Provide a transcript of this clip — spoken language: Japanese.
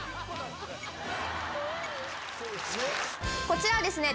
こちらですね